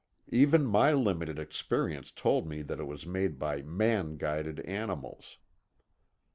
Even my limited experience told me that it was made by man guided animals.